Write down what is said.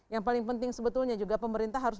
yang paling penting sebetulnya juga pemerintah harus